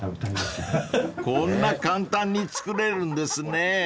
［こんな簡単に作れるんですね］